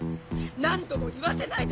何度も言わせないで！